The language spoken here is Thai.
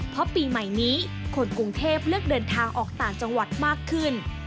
เพราะปีใหม่นี้คนกรุงเทพเลือกเดินทางออกต่างจังหวัดมากขึ้น